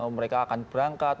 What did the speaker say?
mereka akan berangkat